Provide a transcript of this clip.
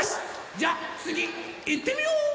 じゃあつぎいってみよう！